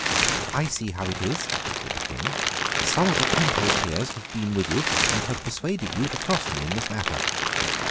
"I see how it is," said the King. "Some of the temporal peers have been with you, and have persuaded you to cross me in this matter."